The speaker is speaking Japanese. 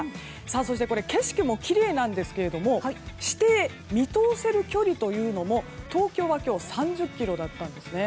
そして景色もきれいなんですけども視程、見通せる距離というのも東京は今日、３０ｋｍでした。